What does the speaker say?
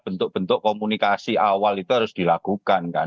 bentuk bentuk komunikasi awal itu harus dilakukan kan